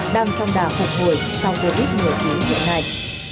đang trong đà phục hồi sau covid một mươi chín hiện nay